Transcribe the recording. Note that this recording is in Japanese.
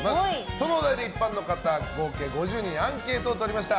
そのお題で一般の方合計５０人にアンケートをとりました。